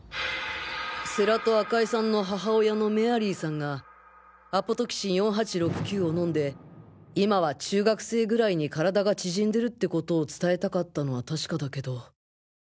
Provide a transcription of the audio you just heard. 世良と赤井さんの母親のメアリーさんが ＡＰＴＸ４８６９ を飲んで今は中学生ぐらいに体が縮んでるってことを伝えたかったのは確かだけど